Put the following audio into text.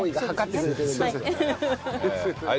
はい。